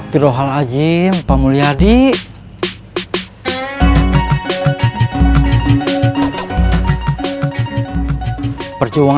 prima kasih udah nampak nang